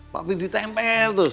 papi ditempel terus